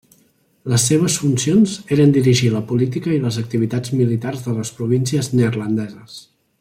Les seves funcions eren dirigir la política i les activitats militars de les províncies neerlandeses.